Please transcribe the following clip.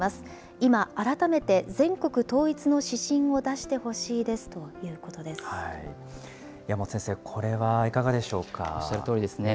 今、改めて全国統一の指針を出し山本先生、これはいかがでしおっしゃるとおりですね。